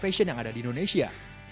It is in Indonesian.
dan fashion yang ada di indonesia